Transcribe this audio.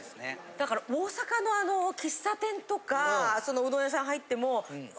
だから大阪のあの喫茶店とかそのうどん屋さん入っても。